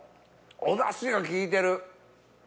お出汁が効いてる。